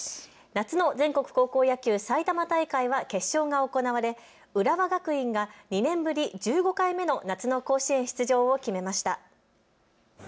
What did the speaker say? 夏の全国高校野球埼玉大会は決勝が行われ浦和学院が２年ぶり１５回目の夏の甲子園出場を決めました。